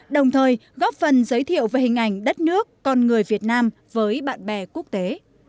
đồng thời góp phần giới thiệu về hình ảnh đất nước con người việt nam với bạn bè quốc tế